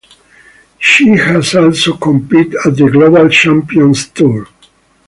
She has also competed at the Global Champions Tour.